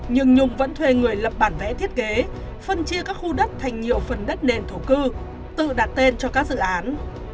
nhưng nhung vẫn thuê người lập bản vẽ thiết kế phân chia các khu đất thành nhiều phần đất nền thổ cư tự đặt tên cho các dự án